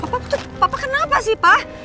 papa papa kenapa sih pak